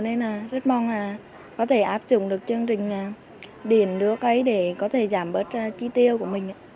nên là rất mong là có thể áp dụng được chương trình điện nước ấy để có thể giảm bớt chi tiêu của mình